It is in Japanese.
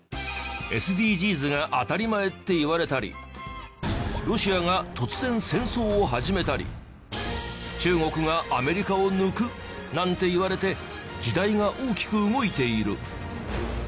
ＳＤＧｓが当たり前っていわれたりロシアが突然戦争を始めたり中国がアメリカを抜くなんていわれて時代が大きく動いている。